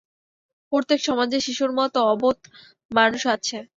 প্রত্যেক সমাজে শিশুর মত অবোধ মানুষ আছে।